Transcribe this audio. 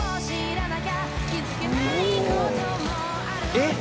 えっ！？